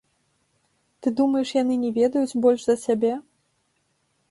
Ты думаеш, яны не ведаюць больш за цябе?